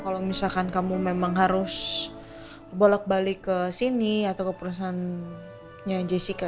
kalau misalkan kamu memang harus bolak balik ke sini atau ke perusahaannya jessica